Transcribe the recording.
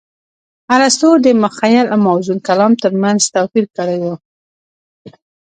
ارستو د مخيل او موزون کلام ترمنځ توپير کړى و.